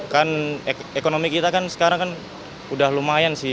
kan ekonomi kita kan sekarang kan udah lumayan sih